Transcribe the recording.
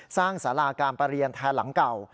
สาราการประเรียนแทนหลังเก่า